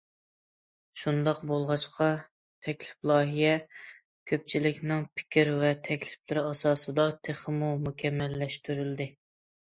شۇنداق بولغاچقا،‹‹ تەكلىپ لايىھە›› كۆپچىلىكنىڭ پىكىر ۋە تەكلىپلىرى ئاساسىدا تېخىمۇ مۇكەممەللەشتۈرۈلدى.